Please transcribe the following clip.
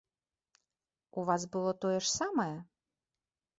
У вас было тое ж самае?